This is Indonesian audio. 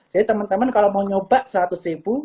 jadi teman teman kalau mau nyoba rp seratus